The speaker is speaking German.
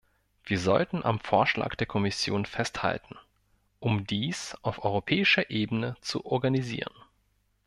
Wir sollten am Vorschlag der Kommission festhalten, um dies auf europäischer Ebene zu organisieren.